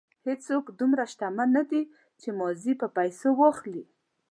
هېڅوک دومره شتمن نه دی چې ماضي په پیسو واخلي.